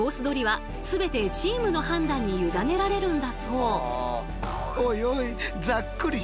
取りは全てチームの判断に委ねられるんだそう。